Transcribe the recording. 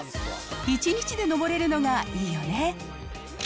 １日で登れるのがいいよね。